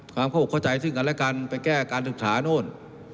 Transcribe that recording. ความเข้าอกเข้าใจซึ่งกันและกันไปแก้การศึกษาโน่น